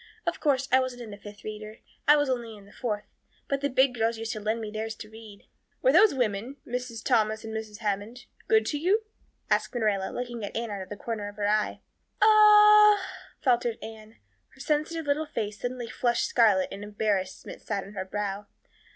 Of course, I wasn't in the Fifth Reader I was only in the Fourth but the big girls used to lend me theirs to read." "Were those women Mrs. Thomas and Mrs. Hammond good to you?" asked Marilla, looking at Anne out of the corner of her eye. "O o o h," faltered Anne. Her sensitive little face suddenly flushed scarlet and embarrassment sat on her brow.